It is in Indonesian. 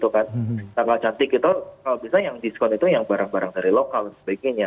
kalau bisa yang diskon itu yang barang barang dari lokal dan sebagainya